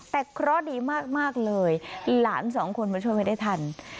แต่เคราะห์ดีมากเลยหลานสองคนมาช่วยไว้ได้ทัน